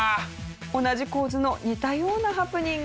同じ構図の似たようなハプニング。